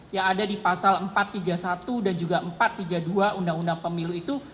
yang ada di pasal empat ratus tiga puluh satu dan juga empat ratus tiga puluh dua undang undang pemilu itu